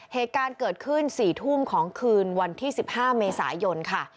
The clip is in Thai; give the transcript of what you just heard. เหตุการณ์เกิดขึ้น๔ทุ่มของคืนวันที่๑๕เมษายนค่ะ